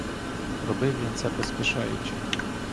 Робив він це поспішаючи.